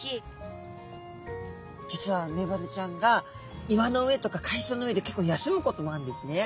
実はメバルちゃんが岩の上とか海藻の上で結構休むこともあるんですね。